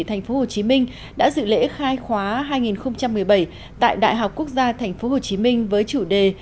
tp hcm đã dự lễ khai khóa hai nghìn một mươi bảy tại đại học quốc gia tp hcm với chủ đề